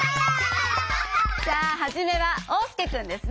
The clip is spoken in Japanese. じゃあはじめはおうすけくんですね。